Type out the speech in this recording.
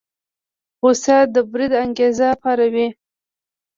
غوسه د بريد انګېزه پاروي.